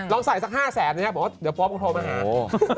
ลองใส่สัก๕๐๐บาทอย่างนี้เดี๋ยวป๊อปคงโทรมาแหละ